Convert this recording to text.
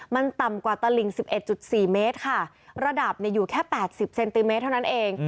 มันต่ำกว่าตลิง๑๑๔เมตรค่ะระดับอยู่แค่๘๐เซนติเมตรเท่านั้นเอง